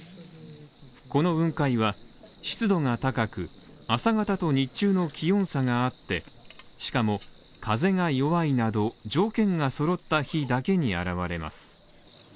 この雲海は湿度が高く、朝方と日中の気温差があってしかも風が弱いなど条件が揃った日だけに現れます。